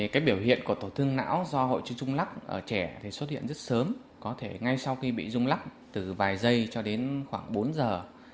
cái biểu hiện của tổn thương não do hội chứng dùng lọc ở trẻ thì xuất hiện rất sớm có thể ngay sau khi bị dùng lọc từ vài giây cho đến khoảng bốn giờ